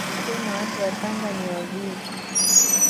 Na tukisema watu wa Tanga ni wavivu